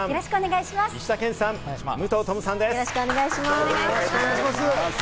よろしくお願いします。